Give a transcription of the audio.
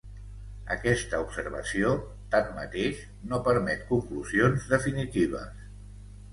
Aquesta observació, tanmateix, no permet conclusions definitives.